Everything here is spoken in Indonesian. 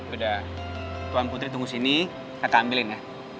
udah tuan putri tunggu sini kakak ambilin ya